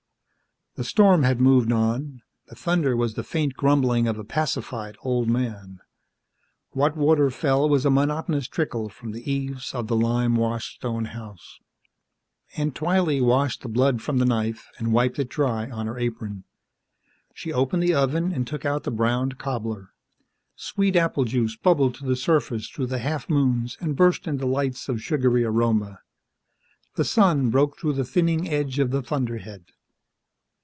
The storm had moved on; the thunder was the faint grumbling of a pacified old man. What water fell was a monotonous trickle from the eaves of the lime washed stone house. Aunt Twylee washed the blood from the knife and wiped it dry on her apron. She opened the oven and took out the browned cobbler. Sweet apple juice bubbled to the surface through the half moons and burst in delights of sugary aroma. The sun broke through the thinning edge of the thunderhead.